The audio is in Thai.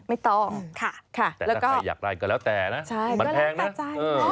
แต่ถ้าใครอยากได้ก็แล้วแต่นะมันแพงนะ